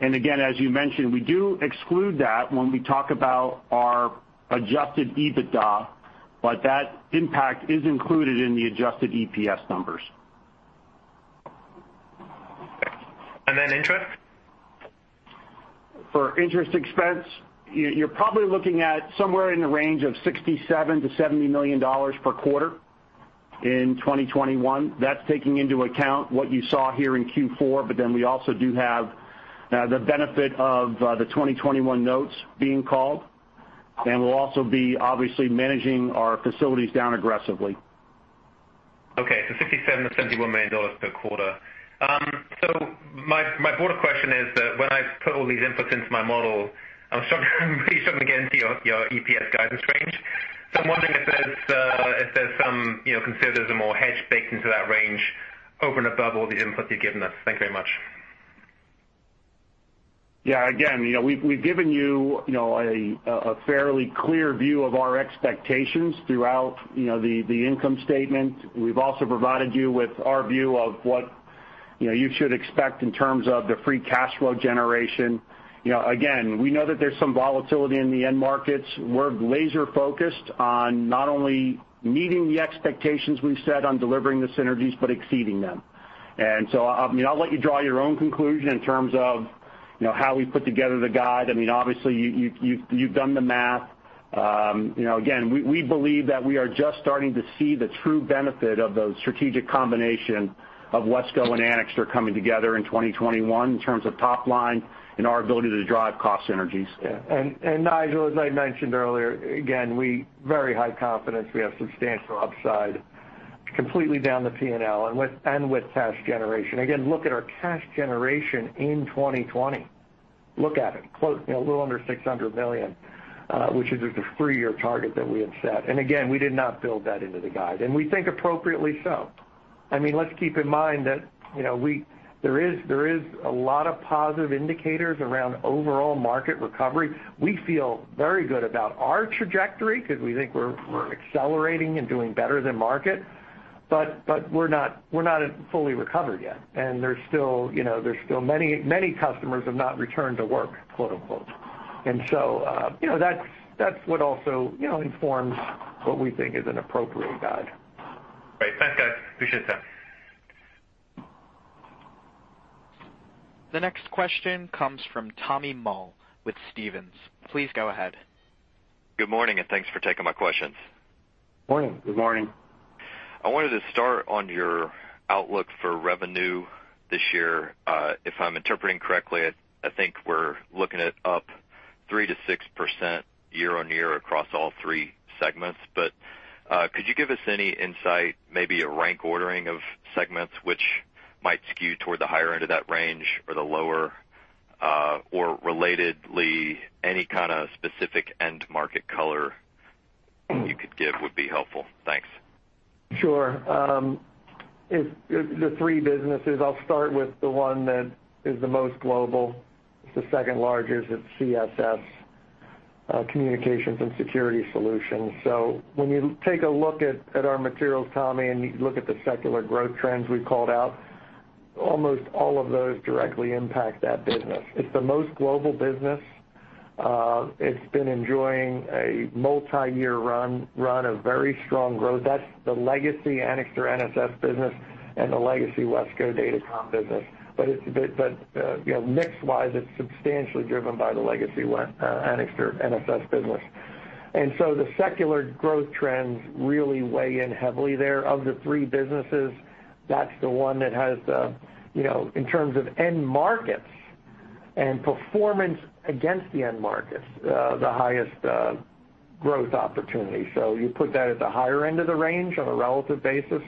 Again, as you mentioned, we do exclude that when we talk about our adjusted EBITDA, but that impact is included in the adjusted EPS numbers. Interest? For interest expense, you're probably looking at somewhere in the range of $67 million-$70 million per quarter in 2021. That's taking into account what you saw here in Q4, we also do have the benefit of the 2021 notes being called. We'll also be obviously managing our facilities down aggressively. Okay, $67 million-$71 million per quarter. My broader question is that when I put all these inputs into my model, I'm really struggling again to your EPS guidance range. I'm wondering if there's some conservatism or hedge baked into that range over and above all the inputs you've given us. Thank you very much. Yeah, again, we've given you a fairly clear view of our expectations throughout the income statement. We've also provided you with our view of what you should expect in terms of the free cash flow generation. Again, we know that there's some volatility in the end markets. We're laser-focused on not only meeting the expectations we've set on delivering the synergies, but exceeding them. I'll let you draw your own conclusion in terms of how we put together the guide. Obviously, you've done the math. Again, we believe that we are just starting to see the true benefit of the strategic combination of WESCO and Anixter coming together in 2021 in terms of top line and our ability to drive cost synergies. Yeah. Nigel, as I mentioned earlier, again, very high confidence. We have substantial upside completely down the P&L and with cash generation. Again, look at our cash generation in 2020. Look at it. A little under $600 million, which is the three-year target that we had set. Again, we did not build that into the guide, and we think appropriately so. Let's keep in mind that there is a lot of positive indicators around overall market recovery. We feel very good about our trajectory because we think we're accelerating and doing better than market. We're not fully recovered yet. There's still many customers have not "returned to work," quote, unquote. That's what also informs what we think is an appropriate guide. Great. Thanks, guys. Appreciate the time. The next question comes from Tommy Moll with Stephens Inc. Please go ahead. Good morning, thanks for taking my questions. Morning. Good morning. I wanted to start on your outlook for revenue this year. If I'm interpreting correctly, I think we're looking at up 3%-6% year-on-year across all three segments. Could you give us any insight, maybe a rank ordering of segments which might skew toward the higher end of that range or the lower? Relatedly, any kind of specific end market color you could give would be helpful. Thanks. Sure. The three businesses, I'll start with the one that is the most global. It's the second largest, it's CSS, Communications & Security Solutions. When you take a look at our materials, Tommy, and you look at the secular growth trends we've called out, almost all of those directly impact that business. It's the most global business. It's been enjoying a multi-year run of very strong growth. That's the legacy Anixter NSS business and the legacy WESCO Datacom business. Mix-wise, it's substantially driven by the legacy Anixter NSS business. The secular growth trends really weigh in heavily there. Of the three businesses, that's the one that has, in terms of end markets and performance against the end markets, the highest growth opportunity. You put that at the higher end of the range on a relative basis.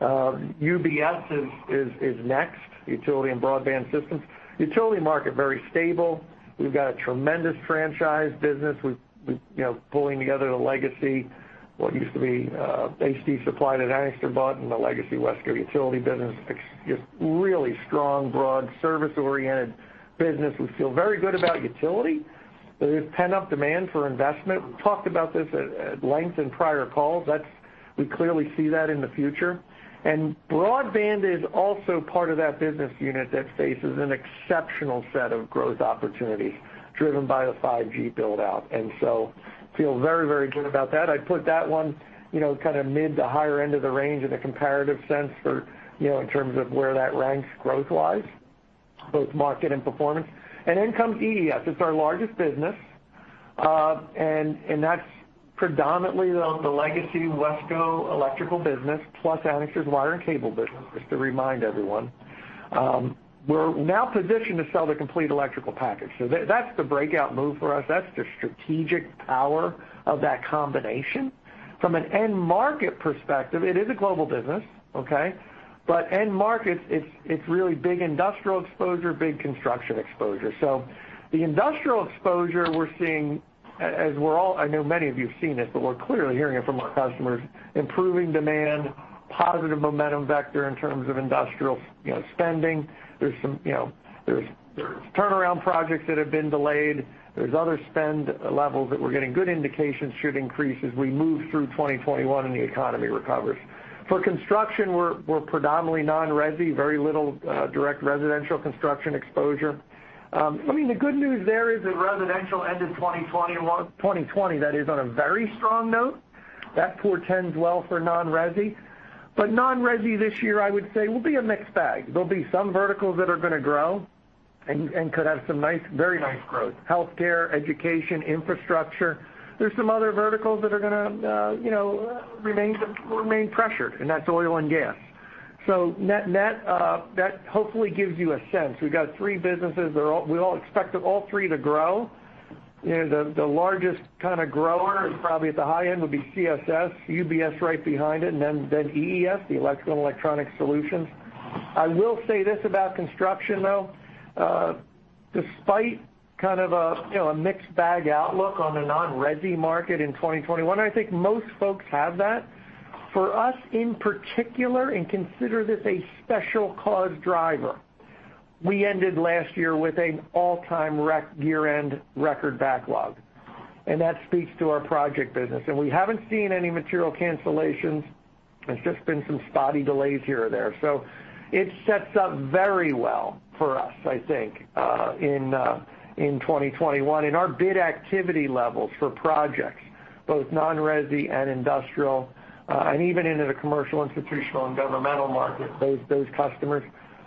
UBS is next, Utility and Broadband Systems. Utility market, very stable. We've got a tremendous franchise business. We're pulling together the legacy, what used to be HD Supply that Anixter bought and the legacy WESCO utility business. Just really strong, broad, service-oriented business. We feel very good about utility. There is pent-up demand for investment. Talked about this at length in prior calls. We clearly see that in the future. Broadband is also part of that business unit that faces an exceptional set of growth opportunities driven by the 5G build-out. Feel very, very good about that. I'd put that one kind of mid to higher end of the range in a comparative sense in terms of where that ranks growth-wise, both market and performance. Comes EES. It's our largest business. That's predominantly the legacy WESCO electrical business plus Anixter's wire and cable business, just to remind everyone. We're now positioned to sell the complete electrical package. That's the breakout move for us. That's the strategic power of that combination. From an end market perspective, it is a global business, okay? End markets, it's really big industrial exposure, big construction exposure. The industrial exposure we're seeing, I know many of you have seen it, but we're clearly hearing it from our customers, improving demand, positive momentum vector in terms of industrial spending. There's turnaround projects that have been delayed. There's other spend levels that we're getting good indications should increase as we move through 2021 and the economy recovers. For construction, we're predominantly non-resi, very little direct residential construction exposure. The good news there is that residential ended 2020, that is on a very strong note. That portends well for non-resi. Non-resi this year, I would say, will be a mixed bag. There'll be some verticals that are going to grow and could have some very nice growth. Healthcare, education, infrastructure. There's some other verticals that are going to remain pressured, and that's oil and gas. Net, that hopefully gives you a sense. We've got three businesses. We expect all three to grow, and the largest kind of grower probably at the high end would be CSS, UBS right behind it, and then EES, the Electrical & Electronic Solutions. I will say this about construction, though. Despite kind of a mixed bag outlook on the non-resi market in 2021, I think most folks have that. For us in particular, and consider this a special cause driver, we ended last year with an all-time rec year-end record backlog, and that speaks to our project business. We haven't seen any material cancellations. There's just been some spotty delays here or there. It sets up very well for us, I think, in 2021. Our bid activity levels for projects, both non-resi and industrial, and even into the commercial, institutional, and governmental market, those customers.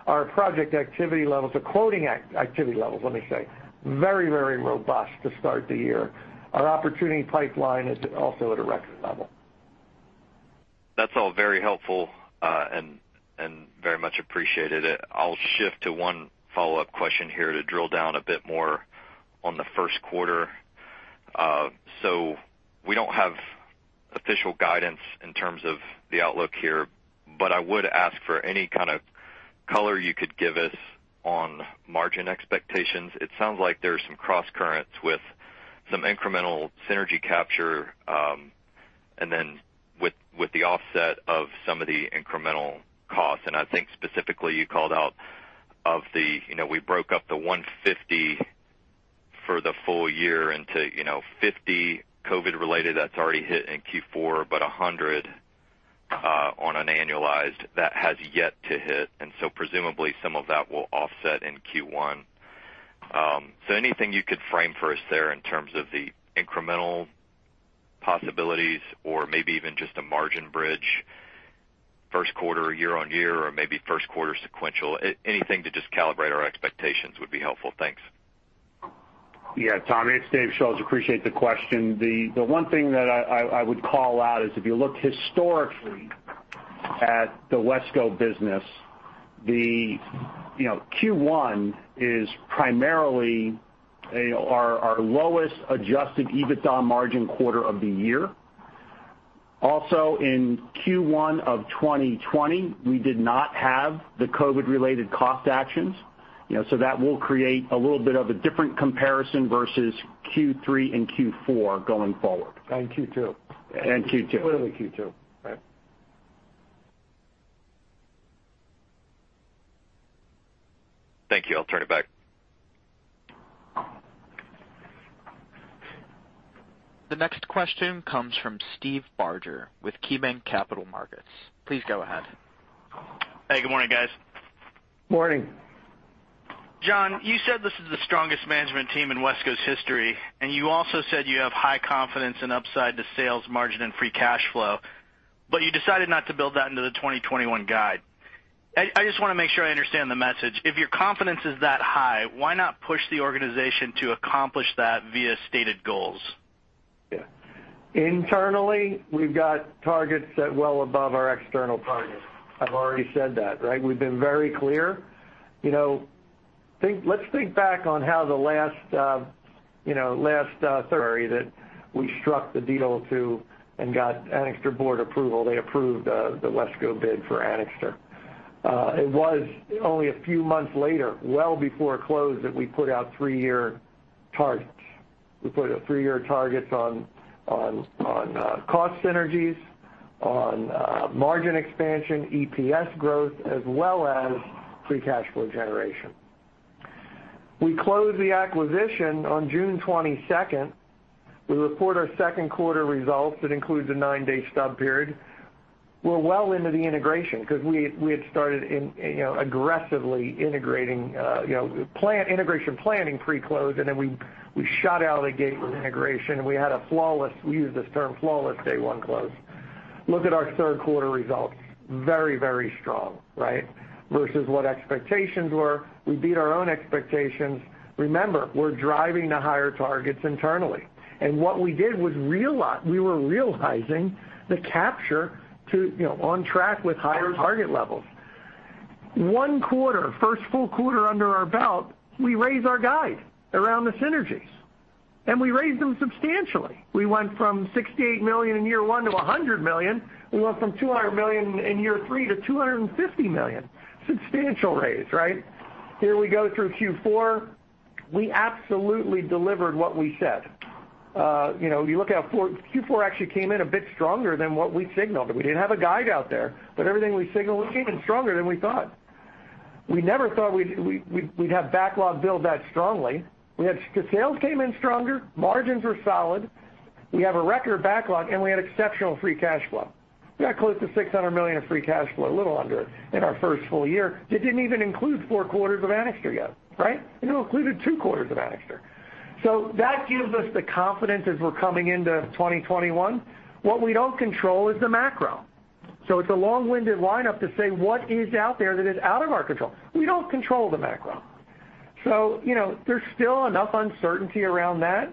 Our project activity levels are quoting activity levels, let me say, very robust to start the year. Our opportunity pipeline is also at a record level. That's all very helpful and very much appreciated. I'll shift to one follow-up question here to drill down a bit more on the first quarter. We don't have official guidance in terms of the outlook here, but I would ask for any kind of color you could give us on margin expectations. It sounds like there's some crosscurrents with some incremental synergy capture, and then with the offset of some of the incremental costs. I think specifically you called out we broke up the $150 for the full year into $50 COVID-related that's already hit in Q4, but $100 on an annualized that has yet to hit. Presumably some of that will offset in Q1. Anything you could frame for us there in terms of the incremental possibilities or maybe even just a margin bridge first quarter year-over-year or maybe first quarter quarter-over-quarter. Anything to just calibrate our expectations would be helpful. Thanks. Yeah, Tommy, it's Dave Schulz. Appreciate the question. The one thing that I would call out is if you look historically at the WESCO business, the Q1 is primarily our lowest adjusted EBITDA margin quarter of the year. Also in Q1 of 2020, we did not have the COVID-related cost actions. That will create a little bit of a different comparison versus Q3 and Q4 going forward. Q2. Q2. Clearly Q2, right? Thank you. I'll turn it back. The next question comes from Steve Barger with KeyBanc Capital Markets. Please go ahead. Hey, good morning, guys. Morning. John, you said this is the strongest management team in WESCO's history, and you also said you have high confidence in upside to sales margin and free cash flow, but you decided not to build that into the 2021 guide. I just want to make sure I understand the message. If your confidence is that high, why not push the organization to accomplish that via stated goals? Yeah. Internally, we've got targets set well above our external targets. I've already said that, right? We've been very clear. Let's think back on how the last February that we struck the deal to and got Anixter board approval. They approved the WESCO bid for Anixter. It was only a few months later, well before close, that we put out three-year targets. We put out three-year targets on cost synergies, on margin expansion, EPS growth, as well as free cash flow generation. We closed the acquisition on June 22nd. We report our second quarter results. That includes a nine-day stub period. We're well into the integration because we had started aggressively integrating, integration planning pre-close, then we shot out of the gate with integration. We had a flawless, we use this term flawless day one close. Look at our third quarter results. Very strong, right? Versus what expectations were. We beat our own expectations. Remember, we're driving to higher targets internally. What we did was we were realizing the capture to on track with higher target levels. One quarter, first full quarter under our belt, we raised our guide around the synergies, we raised them substantially. We went from $68 million in year one to $100 million. We went from $200 million in year three to $250 million. Substantial raise, right? Here we go through Q4. We absolutely delivered what we said. You look at Q4 actually came in a bit stronger than what we signaled, we didn't have a guide out there, everything we signaled was even stronger than we thought. We never thought we'd have backlog build that strongly. Sales came in stronger, margins were solid. We have a record backlog. We had exceptional free cash flow. We got close to $600 million of free cash flow, a little under, in our first full year that didn't even include four quarters of Anixter yet. Right? It included two quarters of Anixter. That gives us the confidence as we're coming into 2021. What we don't control is the macro. It's a long-winded line up to say what is out there that is out of our control. We don't control the macro. There's still enough uncertainty around that.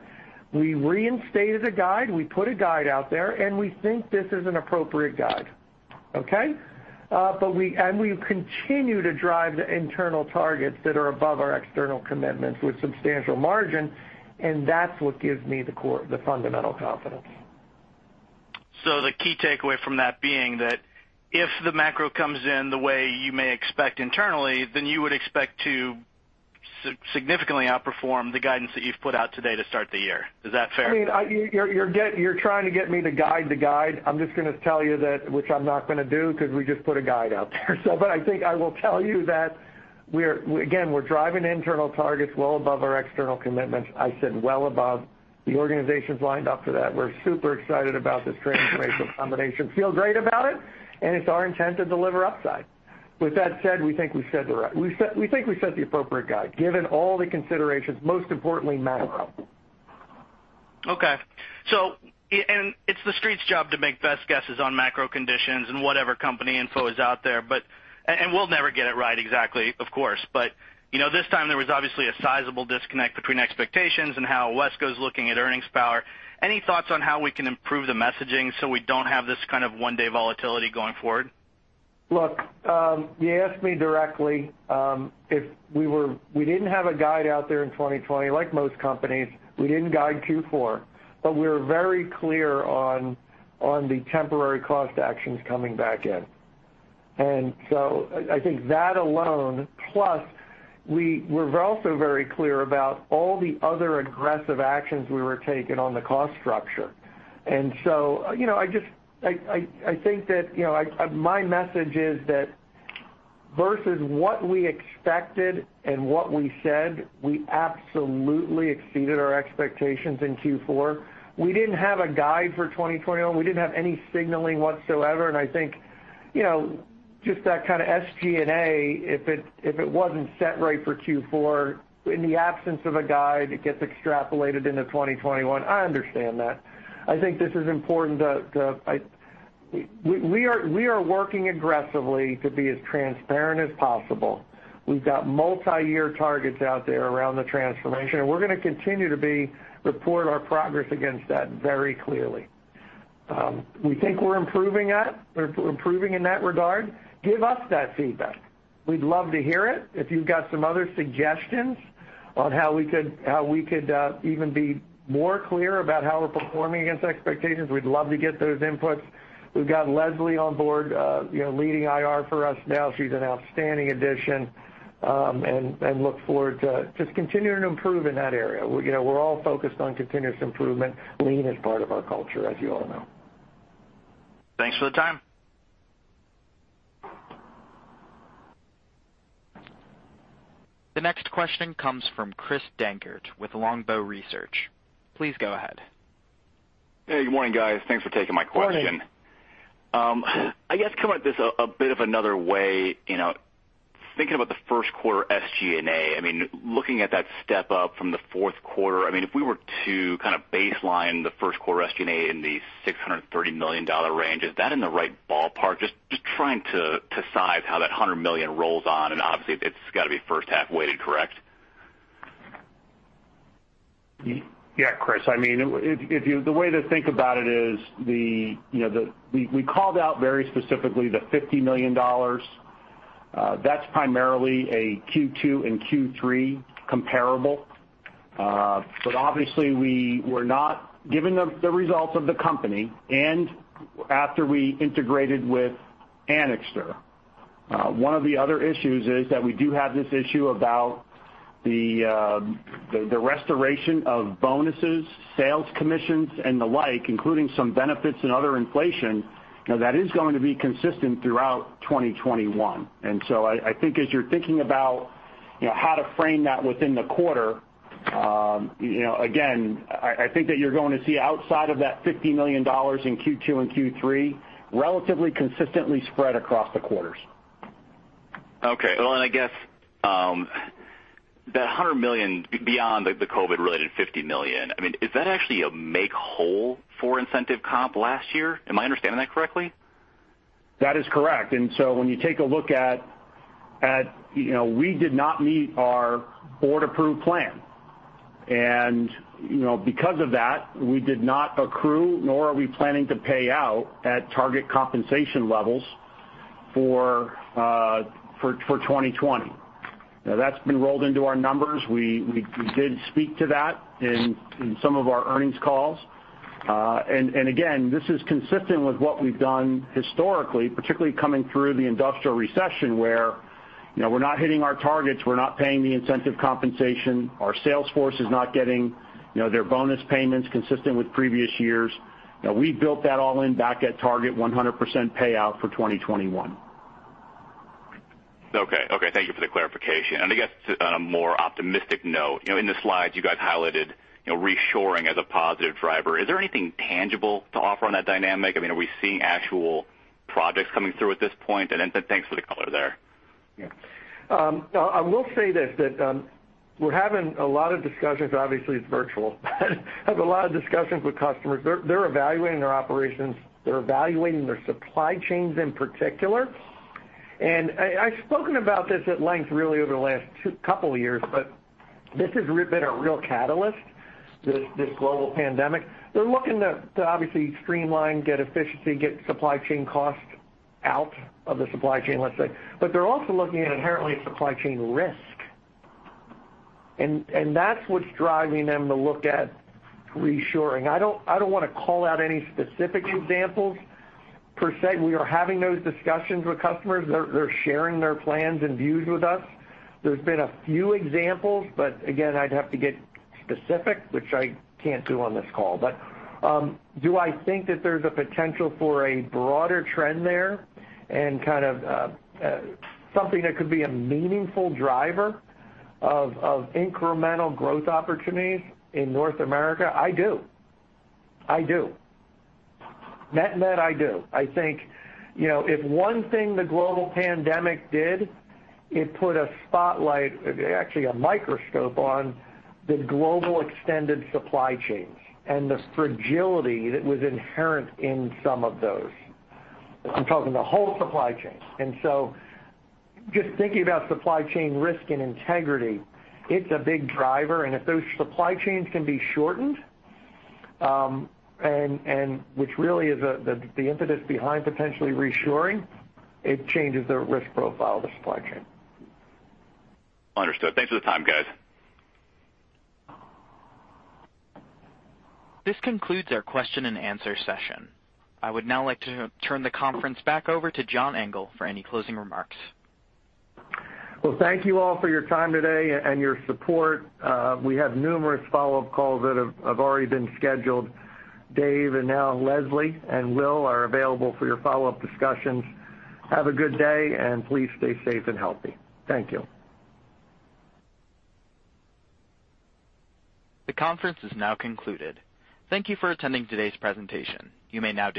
We reinstated a guide, we put a guide out there, and we think this is an appropriate guide. Okay? We continue to drive the internal targets that are above our external commitments with substantial margin, and that's what gives me the core, the fundamental confidence. The key takeaway from that being that if the macro comes in the way you may expect internally, then you would expect to significantly outperform the guidance that you've put out today to start the year. Is that fair? You're trying to get me to guide the guide. I'm just going to tell you that, which I'm not going to do, because we just put a guide out there. I think I will tell you that, again, we're driving internal targets well above our external commitments. I said well above. The organization's lined up for that. We're super excited about this transformational combination. Feel great about it, and it's our intent to deliver upside. With that said, we think we set the appropriate guide, given all the considerations, most importantly, macro. It's the Street's job to make best guesses on macro conditions and whatever company info is out there, and we'll never get it right exactly, of course. This time there was obviously a sizable disconnect between expectations and how WESCO's looking at earnings power. Any thoughts on how we can improve the messaging so we don't have this kind of one-day volatility going forward? Look, you asked me directly. We didn't have a guide out there in 2020, like most companies, we didn't guide Q4. We were very clear on the temporary cost actions coming back in. I think that alone, plus we were also very clear about all the other aggressive actions we were taking on the cost structure. I think that my message is that versus what we expected and what we said, we absolutely exceeded our expectations in Q4. We didn't have a guide for 2021. We didn't have any signaling whatsoever, and I think just that kind of SG&A, if it wasn't set right for Q4, in the absence of a guide, it gets extrapolated into 2021. I understand that. I think this is important. We are working aggressively to be as transparent as possible. We've got multi-year targets out there around the transformation, and we're going to continue to report our progress against that very clearly. We think we're improving in that regard. Give us that feedback. We'd love to hear it. If you've got some other suggestions on how we could even be more clear about how we're performing against expectations, we'd love to get those inputs. We've got Leslie on board leading IR for us now. She's an outstanding addition, and look forward to just continuing to improve in that area. We're all focused on continuous improvement. Lean is part of our culture, as you all know. Thanks for the time. The next question comes from Christopher Dankert with Longbow Research. Please go ahead. Hey, good morning, guys. Thanks for taking my question. Morning. I guess coming at this a bit of another way, thinking about the first quarter SG&A, looking at that step up from the fourth quarter, if we were to baseline the first quarter SG&A in the $630 million range, is that in the right ballpark? Just trying to size how that $100 million rolls on, obviously, it's got to be first half weighted, correct? Yeah, Chris. The way to think about it is we called out very specifically the $50 million. That's primarily a Q2 and Q3 comparable. Obviously, given the results of the company and after we integrated with Anixter, one of the other issues is that we do have this issue about the restoration of bonuses, sales commissions, and the like, including some benefits and other inflation. That is going to be consistent throughout 2021. I think as you're thinking about how to frame that within the quarter, again, I think that you're going to see outside of that $50 million in Q2 and Q3, relatively consistently spread across the quarters. Okay. Well, I guess that $100 million beyond the COVID-related $50 million, is that actually a make whole for incentive comp last year? Am I understanding that correctly? That is correct. We did not meet our board-approved plan. Because of that, we did not accrue, nor are we planning to pay out at target compensation levels for 2020. That's been rolled into our numbers. We did speak to that in some of our earnings calls. Again, this is consistent with what we've done historically, particularly coming through the industrial recession where we're not hitting our targets, we're not paying the incentive compensation, our sales force is not getting their bonus payments consistent with previous years. We built that all in back at target 100% payout for 2021. Okay. Thank you for the clarification. I guess on a more optimistic note, in the slides you guys highlighted reshoring as a positive driver. Is there anything tangible to offer on that dynamic? Are we seeing actual projects coming through at this point? Thanks for the color there. Yeah. I will say this, that we're having a lot of discussions. Obviously, it's virtual, but having a lot of discussions with customers. They're evaluating their operations, they're evaluating their supply chains in particular. I've spoken about this at length really over the last couple of years, but this has been a real catalyst, this global pandemic. They're looking to obviously streamline, get efficiency, get supply chain costs out of the supply chain, let's say. They're also looking at inherently supply chain risk. That's what's driving them to look at reshoring. I don't want to call out any specific examples per se. We are having those discussions with customers. They're sharing their plans and views with us. There's been a few examples, but again, I'd have to get specific, which I can't do on this call. Do I think that there's a potential for a broader trend there and kind of something that could be a meaningful driver of incremental growth opportunities in North America? I do. Net, I do. I think, if one thing the global pandemic did, it put a spotlight, actually a microscope on the global extended supply chains and the fragility that was inherent in some of those. I'm talking the whole supply chain. Just thinking about supply chain risk and integrity, it's a big driver. If those supply chains can be shortened, and which really is the impetus behind potentially reshoring, it changes the risk profile of the supply chain. Understood. Thanks for the time, guys. This concludes our question and answer session. I would now like to turn the conference back over to John Engel for any closing remarks. Well, thank you all for your time today and your support. We have numerous follow-up calls that have already been scheduled. Dave and now Leslie and Will are available for your follow-up discussions. Have a good day, and please stay safe and healthy. Thank you. The conference is now concluded. Thank you for attending today's presentation. You may now disconnect.